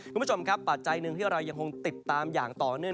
คุณผู้ชมครับปัจจัยหนึ่งที่เรายังคงติดตามอย่างต่อเนื่อง